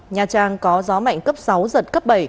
nha trang có gió mạnh cấp sáu giật cấp bảy